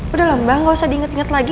udah lho mbak gak usah diinget inget lagi